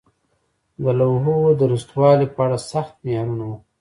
د لوحو د درستوالي په اړه سخت معیارونه وو.